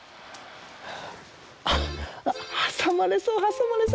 あっはさまれそうはさまれそう。